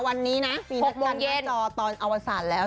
วันนี้นะปีนักการณ์มาจอตอนอวสารแล้ว